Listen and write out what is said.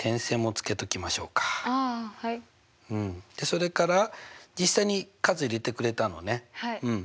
それから実際に数入れてくれたのねうん。